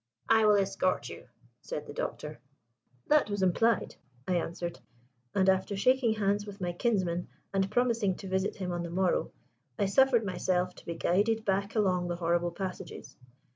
"I will escort you," said the Doctor. "That was implied," I answered: and after shaking hands with my kinsman and promising to visit him on the morrow, I suffered myself to be guided back along the horrible passages.